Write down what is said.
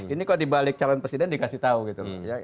ini kok dibalik calon presiden dikasih tahu gitu loh